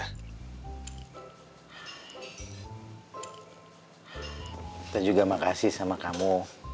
kita juga makasih sama kamu